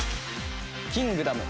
『キングダム』。